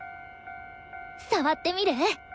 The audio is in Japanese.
触ってみる？